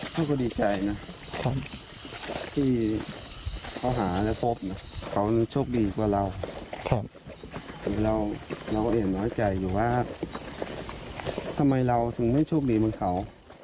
เขาก็ดีใจนะที่เขาหาแล้วพบเขาโชคดีกว่าเราเองน้อยใจอยู่ว่าทำไมเราถึงไม่โชคดีเหมือนเขา